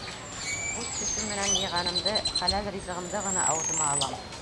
Үҙ көсөм менән йыйғанымды, хәләл ризығымды ғына ауыҙыма алам.